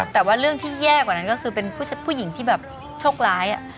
แต่ว่าเรื่องที่แย่กว่านั้นก็คือเป็นผู้หญิงที่แบบโชคร้าย